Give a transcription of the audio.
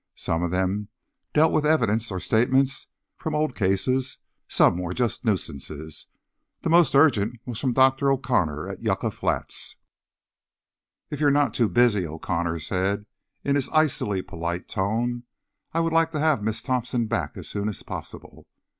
Some of them dealt with evidence or statements from old cases, some were just nuisances. The most urgent was from Dr. O'Connor at Yucca Flats. "If you're not too busy," O'Connor said in his icily polite tone, "I would like to have Miss Thompson back as soon as possible."